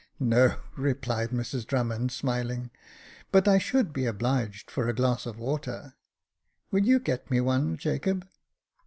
" No," replied Mrs Drummond, smiling \" but I should be obliged for a glass of water. Will you get me one, Jacob